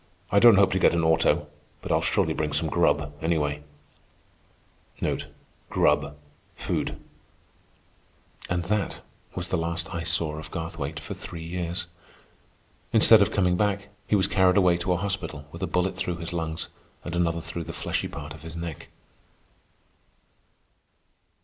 "I don't hope to get an auto, but I'll surely bring some grub, anyway." Food. And that was the last I saw of Garthwaite for three years. Instead of coming back, he was carried away to a hospital with a bullet through his lungs and another through the fleshy part of his neck.